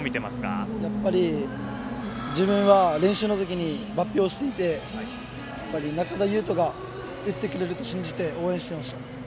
やっぱり、自分は練習のときにバッティングしていて仲田侑仁が打ってくれると信じて応援していました。